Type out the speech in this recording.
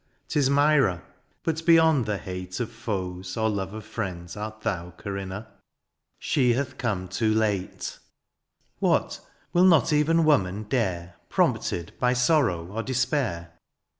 Tis Myra — ^but beyond the hate Of foes or love of friends art thou, Corinna : she hath come too late ! THE AREOPAGITE. 77 What will not even woman dare^ Prompted by sorrow or despair